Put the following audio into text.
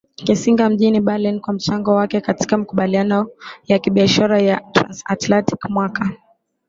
Kissinger mjini Berlin kwa mchango wake katika makubaliano ya kibiashara ya transAtlantic Mwaka